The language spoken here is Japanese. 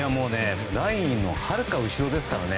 ラインのはるか後ろですからね。